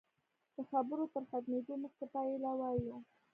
د خبرو تر ختمېدو مخکې پایله وایو.